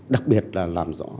đặc biệt là làm rõ